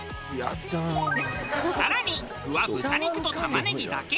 更に具は豚肉と玉ねぎだけ。